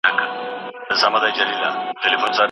ایماقان، نورستانیان او نور قومي اقلیتونه هم ورته